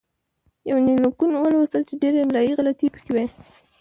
يونليکونه ولوستل چې ډېره املايي غلطي پکې وې